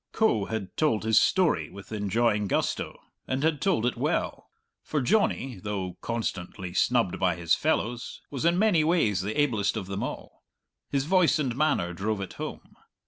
Coe had told his story with enjoying gusto, and had told it well for Johnny, though constantly snubbed by his fellows, was in many ways the ablest of them all. His voice and manner drove it home.